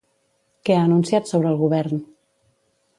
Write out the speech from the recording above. Què ha anunciat sobre el Govern?